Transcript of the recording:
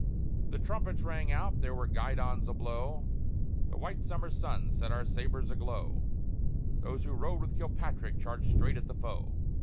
The trumpets rang out; there were guidons a blow; The white summer sun set our sabres a glow; Those who rode with Kilpatrick charged straight at the foe!